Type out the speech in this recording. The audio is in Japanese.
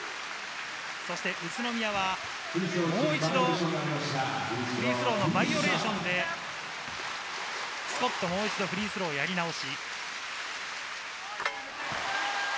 宇都宮はもう一度、フリースローのバイオレーションで、スコット、もう一度フリースローやり直し。